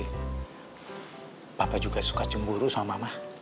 tapi papa juga suka cemburu sama mama